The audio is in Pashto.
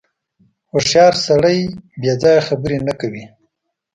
• هوښیار سړی بېځایه خبرې نه کوي.